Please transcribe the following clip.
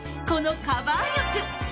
このカバー力。